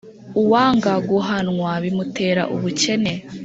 Uwanga guhanwa bimutera ubukene